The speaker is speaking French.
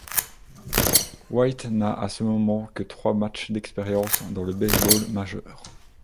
White n'a à ce moment que trois matchs d'expérience dans le baseball majeur.